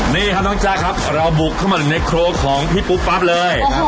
นี่ครับน้องจ๊คครับเราบุกเข้ามาถึงในครัวของพี่ปุ๊บปั๊บเลย